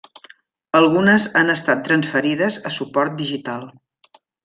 Algunes han estat transferides a suport digital.